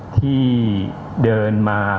ที่เดินมา